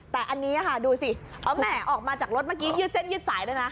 แต่อันนี้ค่ะดูสิเอาแหมออกมาจากรถเมื่อกี้ยืดเส้นยืดสายด้วยนะ